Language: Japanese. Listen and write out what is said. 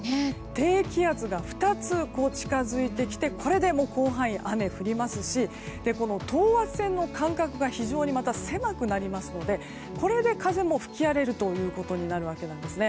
低気圧が２つ近づいてきてこれで広範囲で雨が降りますしこの等圧線の間隔が非常に狭くなりますのでこれで風も吹き荒れるということになるわけなんです。